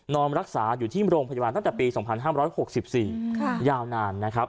รักษาอยู่ที่โรงพยาบาลตั้งแต่ปี๒๕๖๔ยาวนานนะครับ